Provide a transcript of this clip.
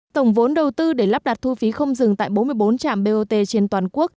tổng vốn đầu tư để lắp đặt thu phí không dừng tại bốn mươi bốn trạm bot trên toàn quốc